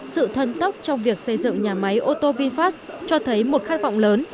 sự thân tốc trong việc xây dựng nhà máy ô tô vinfast cho thấy một khát vọng lớn